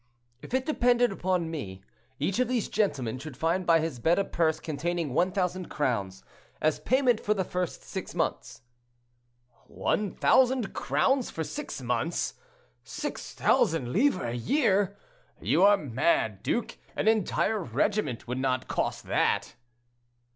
"If it depended upon me, each of these gentlemen should find by his bed a purse containing 1,000 crowns, as payment for the first six months." "One thousand crowns for six months! 6,000 livres a year! You are mad, duke; an entire regiment would not cost that."